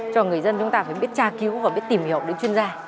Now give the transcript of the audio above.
cho người dân chúng ta phải biết tra cứu và biết tìm hiểu đến chuyên gia